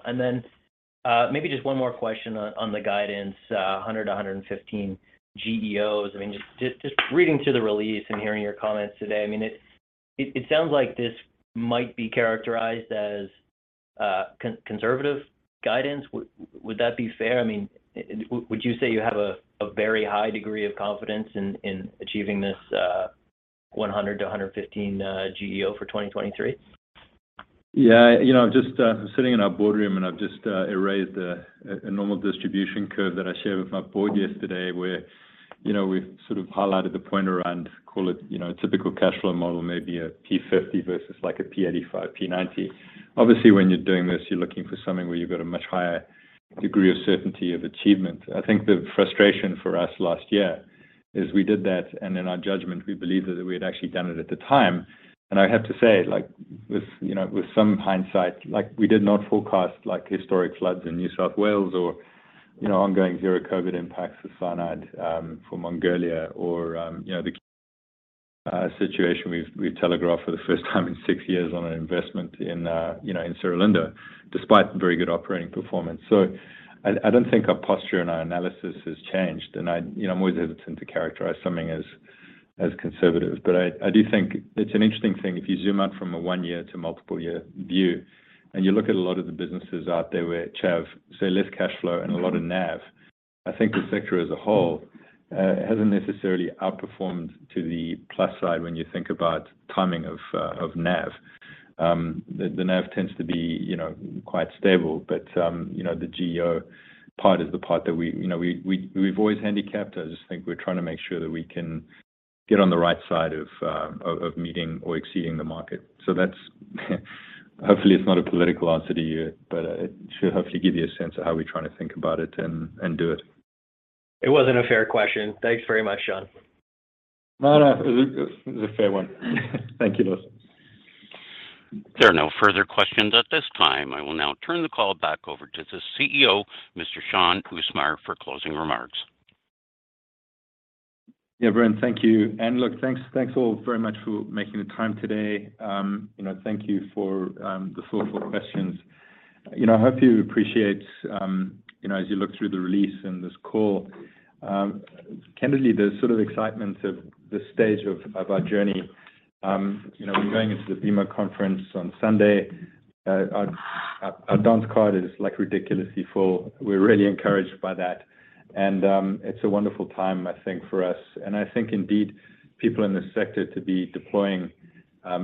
Maybe just one more question on the guidance, 100 to 115 GEOs. I mean, just reading through the release and hearing your comments today, I mean, it sounds like this might be characterized as conservative guidance. Would that be fair? I mean, would you say you have a very high degree of confidence in achieving this 100 to 115 GEO for 2023? You know, I'm just sitting in our boardroom, and I've just erased a normal distribution curve that I shared with my board yesterday where, you know, we've sort of highlighted the point around, call it, you know, a typical cash flow model, maybe a P50 versus like a P85, P90. Obviously, when you're doing this, you're looking for something where you've got a much higher degree of certainty of achievement. I think the frustration for us last year is we did that, and in our judgment, we believed that we had actually done it at the time. I have to say, like with, you know, with some hindsight, like, we did not forecast, like, historic floods in New South Wales or, you know, ongoing zero COVID impacts for cyanide, for Mongolia or, you know, the situation we telegraphed for the first time in six years on an investment in, you know, in Cerro Lindo, despite very good operating performance. I don't think our posture and our analysis has changed. I, you know, I'm always hesitant to characterize something as conservative. I do think it's an interesting thing. If you zoom out from a one-year to multiple year view, and you look at a lot of the businesses out there which have, say, less cash flow and a lot of NAV, I think the sector as a whole, hasn't necessarily outperformed to the plus side when you think about timing of NAV. The NAV tends to be, you know, quite stable. You know, the GEO part is the part that we, you know, we've always handicapped. I just think we're trying to make sure that we can get on the right side of meeting or exceeding the market. That's. Hopefully, it's not a political answer to you, but it should hopefully give you a sense of how we're trying to think about it and do it. It wasn't a fair question. Thanks very much, Shaun. No, no, it was a fair one. Thank you, Lawson Winder. There are no further questions at this time. I will now turn the call back over to the CEO, Mr. Shaun Usmar, for closing remarks. Yeah, Brian, thank you. Look, thanks all very much for making the time today. You know, thank you for the thoughtful questions. You know, I hope you appreciate, you know, as you look through the release and this call, candidly the sort of excitement of this stage of our journey. You know, we're going into the BMO conference on Sunday. Our dance card is, like, ridiculously full. We're really encouraged by that. It's a wonderful time, I think, for us and I think indeed people in this sector to be deploying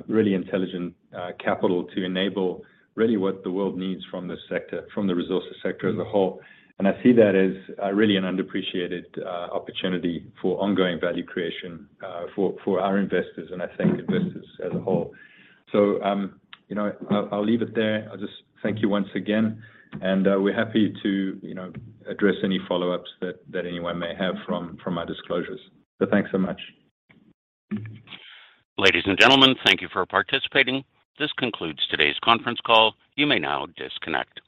really intelligent capital to enable really what the world needs from this sector, from the resources sector as a whole. I see that as really an underappreciated opportunity for ongoing value creation for our investors and I think investors as a whole. You know, I'll leave it there. I'll just thank you once again, and we're happy to, you know, address any follow-ups that anyone may have from our disclosures. Thanks so much. Ladies and gentlemen, thank you for participating. This concludes today's conference call. You may now disconnect.